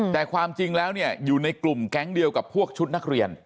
แต่ความจริงแล้วอยู่ในกลุ่มแก๊งเดียวกับพวกชุดนักเรียน